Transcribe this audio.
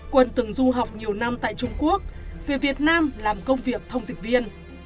quân từng du học nhiều năm tại trung quốc về việt nam làm công việc thông dịch viên